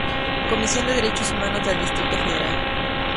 Comisión de Derechos Humanos del Distrito Federal.